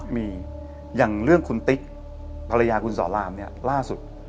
มีอย่างเรื่องคุณติ๊กภรรยาคุณสอนรามเนี่ยล่าสุด